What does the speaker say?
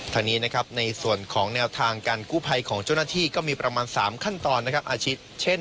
ทางนี้นะครับในส่วนของแนวทางการกู้ภัยของเจ้าหน้าที่ก็มีประมาณ๓ขั้นตอนนะครับอาชีพเช่น